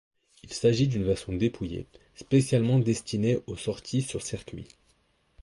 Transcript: Il s'agit d'une version dépouillée, spécialement destinée aux sorties sur circuit.